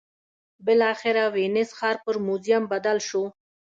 بالاخره وینز ښار پر موزیم بدل شو